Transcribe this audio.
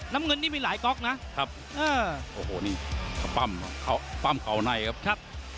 ล้ำเงินนี่มีหลายก๊อกนะครับโอ้โฮนี่ปั้มเข้าในครับชัด